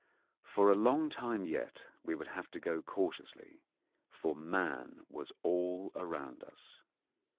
For a long time yet we would have to go cautiously, for man was all around us.